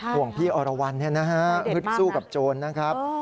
ห่วงพี่อรวัณเนี่ยนะฮะฮึดสู้กับโจรนะครับ